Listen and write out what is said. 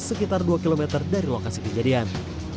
sekitar dua km dari lokasi kejadian